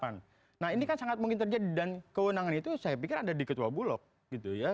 nah ini kan sangat mungkin terjadi dan kewenangan itu saya pikir ada di ketua bulog gitu ya